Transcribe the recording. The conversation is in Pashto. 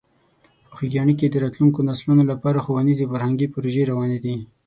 په خوږیاڼي کې د راتلونکو نسلونو لپاره ښوونیزې او فرهنګي پروژې روانې دي.